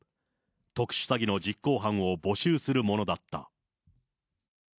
特殊詐欺の実行犯を募集するものだった。